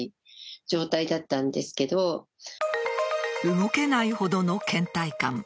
動けないほどの倦怠感。